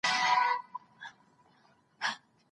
اوږده ډوډۍ ماڼۍ ته نه ده وړل سوې.